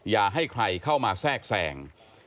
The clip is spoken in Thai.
อย่าให้ใครเข้ามาแทรกแสง